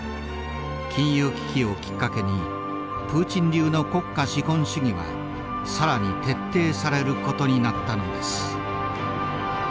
金融危機をきっかけにプーチン流の国家資本主義は更に徹底されることになったのです。